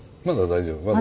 まだ大丈夫。